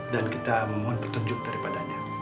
dan kita memohon pertunjuk daripadanya